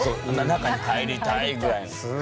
中に入りたいぐらいの。